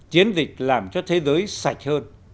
chiến dịch làm cho thế giới sạch hơn